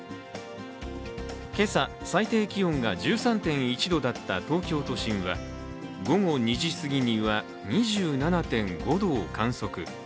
今朝、最低気温が１３．１度だった東京都心は午後２時すぎには、２７．５度を観測。